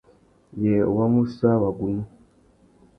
Yê wa mú sã wagunú ?